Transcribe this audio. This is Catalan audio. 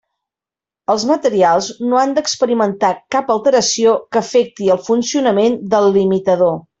Els materials no han d'experimentar cap alteració que afecti el funcionament del limitador.